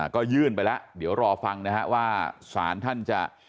ก็ยื่นไปแล้วเดี๋ยวรอฟังนะฮะว่าสารท่านจะ